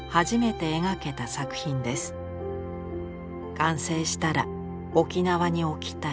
完成したら沖縄に置きたい。